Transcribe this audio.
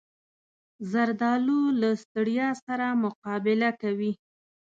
زردالو له ستړیا سره مقابله کوي.